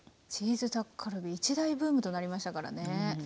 チーズタッカルビ一大ブームとなりましたからね。